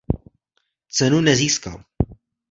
Cenu nezískal.